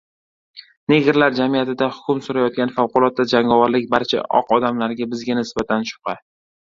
Negrlar jamiyatida hukm surayotgan favqulodda jangovarlik barcha oq odamlarda bizga nisbatan shubha